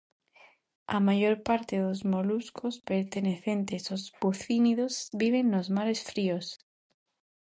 A maior parte dos moluscos pertencentes aos bucínidos viven nos mares fríos.